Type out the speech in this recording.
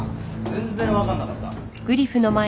全然分かんなかった。